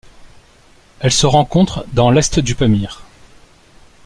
Elle se rencontre dans l'Est du Pamir.